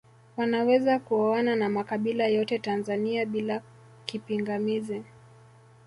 Wanaweza kuoana na makabila yote Tanzania bila kipingamizi